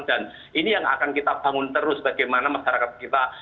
dan ini yang akan kita bangun terus bagaimana masyarakat kita